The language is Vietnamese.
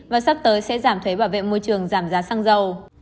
và sắp tới sẽ giảm thuế bảo vệ môi trường giảm giá xăng dầu